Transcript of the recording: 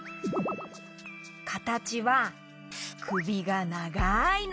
かたちはくびがながいの。